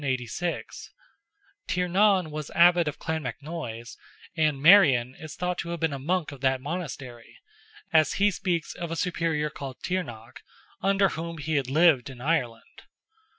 Tiernan was abbot of Clonmacnoise, and Marian is thought to have been a monk of that monastery, as he speaks of a superior called Tigernach, under whom he had lived in Ireland.